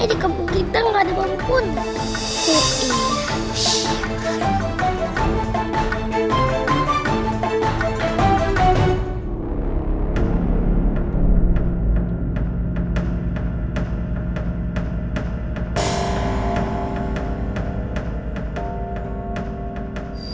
ini kampung kita nggak ada bambu kuning